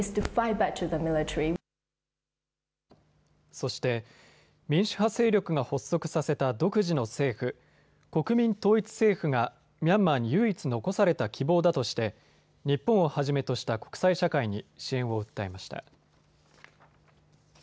そして民主化勢力が発足させた独自の政府、国民統一政府がミャンマーに唯一、残された希望だとして日本をはじめとした国際社会に支援を訴えました。